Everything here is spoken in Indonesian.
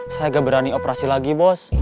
saya nggak berani operasi lagi bos